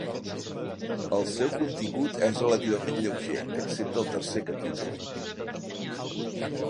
El seu contingut és relativament lleuger, excepte al tercer capítol.